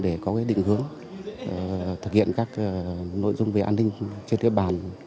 để có định hướng thực hiện các nội dung về an ninh trên địa bàn